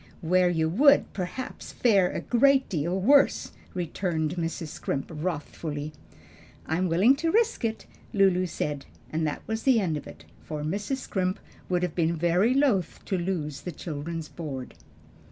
"Where you would, perhaps, fare a great deal worse," returned Mrs. Scrimp wrathfully. "I am willing to risk it," Lulu said; and that was the end of it, for Mrs. Scrimp would have been very loath to lose the children's board.